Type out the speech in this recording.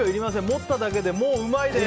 持っただけでもううまいです！